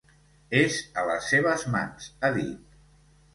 És a les seves mans, ha dit.